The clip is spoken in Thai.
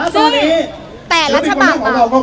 ซึ่งแต่ละฉบับ